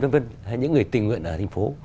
vân vân hay những người tình nguyện ở thành phố